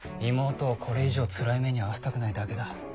妹をこれ以上つらい目に遭わせたくないだけだ。